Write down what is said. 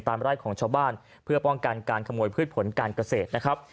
ตามรายของชาวบ้านเพื่อป้องกันการขโมยพืชผลการเกษตร